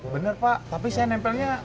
benar pak tapi saya nempelnya